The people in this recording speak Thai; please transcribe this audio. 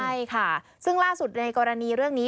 ใช่ค่ะซึ่งล่าสุดในกรณีเรื่องนี้